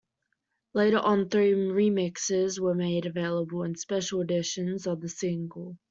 Later on three remixes were made available in special editions of the single.